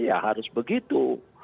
ya harus begitu